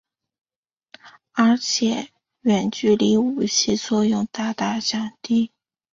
而且远距离武器作用大大降低。